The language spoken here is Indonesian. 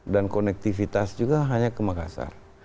dan konektivitas juga hanya ke makassar